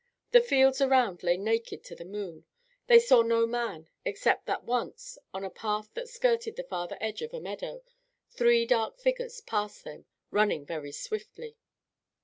The fields around lay naked to the moon. They saw no man, except that once, on a path that skirted the farther edge of a meadow, three dark figures passed them, running very swiftly.